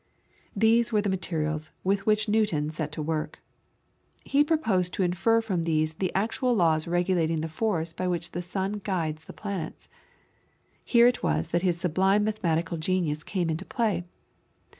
These were the materials with which Newton set to work. He proposed to infer from these the actual laws regulating the force by which the sun guides the planets. Here it was that his sublime mathematical genius came into play.